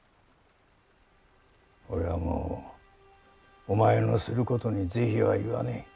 俺はもうお前のすることに是非は言わねぇ。